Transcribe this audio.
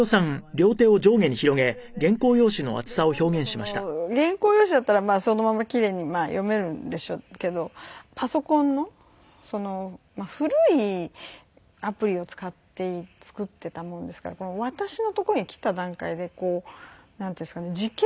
それでで今度原稿用紙だったらそのままキレイに読めるんでしょうけどパソコンの古いアプリを使って作ってたもんですから私のところに来た段階でこうなんていうんですかね？